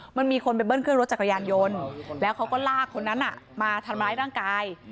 มันมีคนไปเบิ้ลเครื่องรถจักรยานยนต์แล้วเขาก็ลากคนนั้นมาทำร้ายร่างกาย